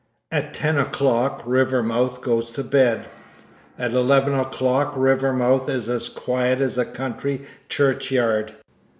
At ten o'clock Rivermouth goes to bed. At eleven o'clock Rivermouth is as quiet as a country churchyard.